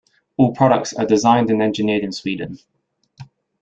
All products are designed and engineered in Sweden.